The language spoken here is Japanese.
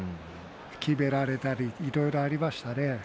きめられたりいろいろありましたね。